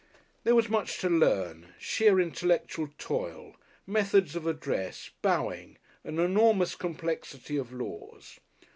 There was much to learn, sheer intellectual toil, methods of address, bowing, an enormous complexity of laws.